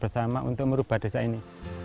mereka mau berubah untuk merubah desa ini